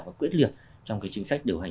và quyết liệt trong cái chính sách điều hành